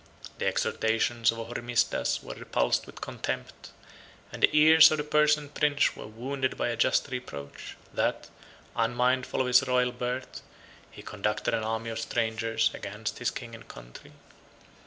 The exhortations of Hormisdas were repulsed with contempt; and the ears of the Persian prince were wounded by a just reproach, that, unmindful of his royal birth, he conducted an army of strangers against his king and country.